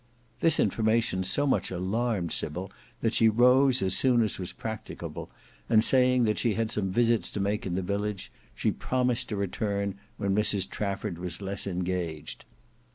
This intimation so much alarmed Sybil that she rose as soon as was practicable; and saying that she had some visits to make in the village, she promised to return when Mrs Trafford was less engaged.